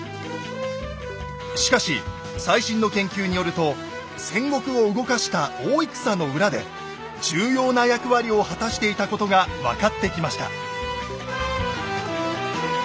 しかし最新の研究によると戦国を動かした大戦の裏で重要な役割を果たしていたことが分かってきました。